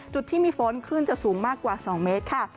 จุดที่มีฝนคลื่นจะสูงมากกว่า๒เมตรค่ะ